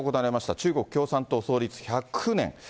中国共産党創立１００年。